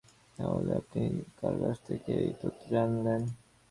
তাহলে আপনি কার কাছ থেকে এই তথ্য জানলেন?